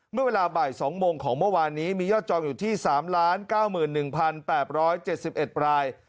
เมื่อเวลาบ่าย๒โมงของเมื่อวานนี้มียอดจองอยู่ที่๓๙๑๘๗๑ราย